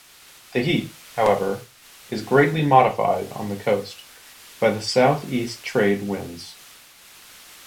The heat, however, is greatly modified on the coast by the south-east trade winds.